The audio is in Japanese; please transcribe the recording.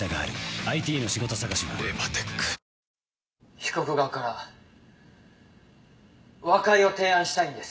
⁉被告側から和解を提案したいんです。